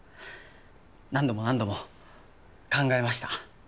何度も何度も考えました。